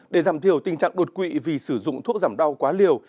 để giảm thiểu tình trạng đột quỵ vì sử dụng thuốc giảm đau quá liều